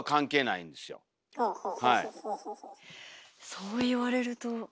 そう言われると。